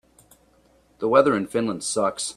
The weather in Finland sucks.